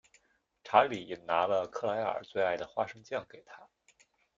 查理拿了克莱尔最爱的花生酱给她。